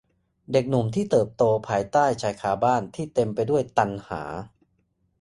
เด็กหนุ่มที่เติบโตภายใต้ชายคาบ้านที่เต็มไปด้วยตัณหา